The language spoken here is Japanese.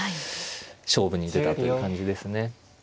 勝負に出たという感じですね。